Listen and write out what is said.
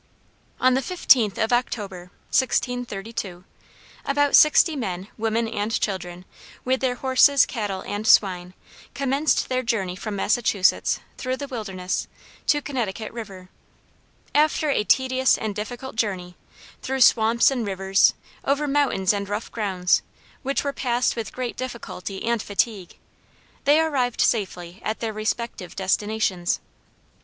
"On the 15th of October about sixty men, women, and children, with their horses, cattle, and swine, commenced their journey from Massachusetts, through the wilderness, to Connecticut River. After a tedious and difficult journey through swamps and rivers, over mountains and rough grounds, which were passed with great difficulty and fatigue, they arrived safely at their respective destinations.